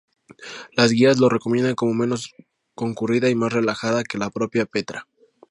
Las guías lo recomiendan como menos concurrida y más relajada que la propia Petra.